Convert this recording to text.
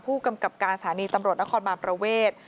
ผู้กำกับการสถานีตำรวจนครบานประเวท